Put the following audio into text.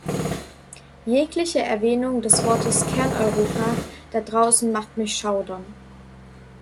Jegliche Erwähnung des Wortes "Kerneuropa" da draußen macht mich schaudern.